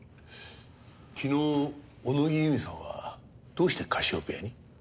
昨日小野木由美さんはどうしてカシオペアに？